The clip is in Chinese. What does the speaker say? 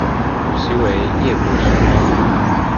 主席为叶柏雄。